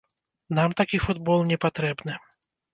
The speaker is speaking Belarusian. Нам такі футбол не патрэбны!